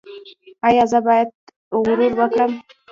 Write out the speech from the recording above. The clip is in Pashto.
ایا زه باید غرور وکړم؟